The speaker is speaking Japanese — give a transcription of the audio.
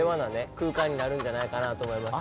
空間になるんじゃないかなと思いますし。